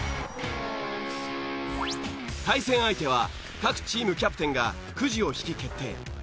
対戦相手は各チームキャプテンがくじを引き決定。